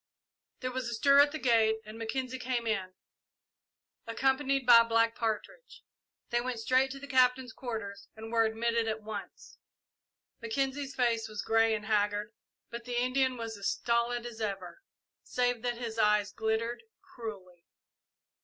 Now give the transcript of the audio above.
There was a stir at the gate and Mackenzie came in, accompanied by Black Partridge. They went straight to the Captain's quarters and were admitted at once. Mackenzie's face was grey and haggard, but the Indian was as stolid as ever, save that his eyes glittered cruelly.